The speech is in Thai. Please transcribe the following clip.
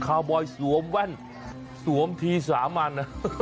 บอยสวมแว่นสวมทีสามัญ